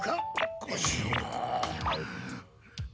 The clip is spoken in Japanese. おかしいな？